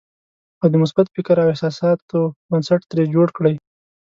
او د مثبت فکر او احساساتو بنسټ ترې جوړ کړئ.